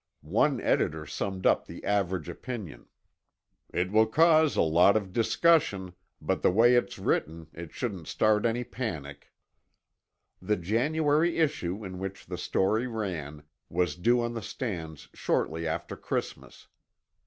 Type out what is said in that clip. One editor summed up the average opinion: "It will cause a lot of discussion, but the way it's written, it shouldn't start any panic." The January issue, in which the story ran, was due on the stands shortly after Christmas.